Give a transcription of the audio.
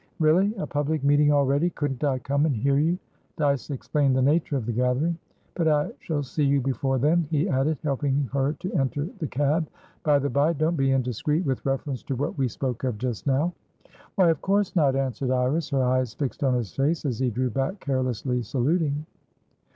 "Really? A public meeting already? Couldn't I come and hear you?" Dyce explained the nature of the gathering. "But I shall see you before then," he added, helping her to enter the cab. "By the bye, don't be indiscreet with reference to what we spoke of just now." "Why of course not," answered Iris, her eyes fixed on his face as he drew back carelessly saluting.